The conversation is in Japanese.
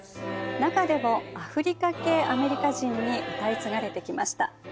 中でもアフリカ系アメリカ人に歌い継がれてきました。